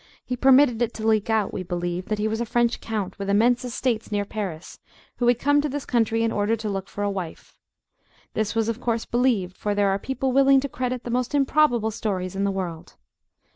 He permitted it to leak out, we believe, that he was a French count, with immense estates near Paris, who had come to this country in order to look for a wife. This was of course believed, for there are people willing to credit the most improbable stories in the world.